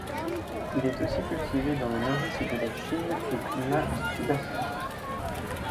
Il est aussi cultivé dans le nord-est de la Chine, au climat subarctique.